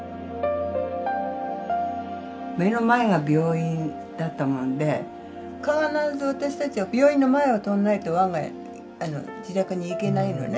目の前が病院だったもんで必ず私たちは病院の前を通んないと我が家自宅に行けないのね。